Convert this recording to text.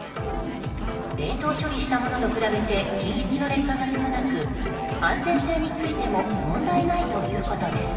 冷凍処理したものと比べて品質の劣化が少なく安全性についても問題ないということです。